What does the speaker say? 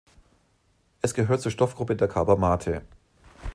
Es gehört zur Stoffgruppe der Carbamate.